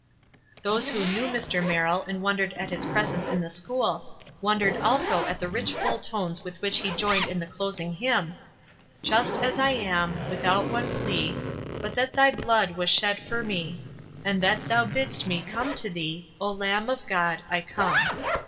Those who knew Mr. Merrill, and wondered at his presence in the school, wondered also at the rich full tones with which he joined in the closing hymn, — 'Just as I am, without one plea, But that thy blood was shed for me And that thou bidst nio come to thee, O Lamb of God, I come."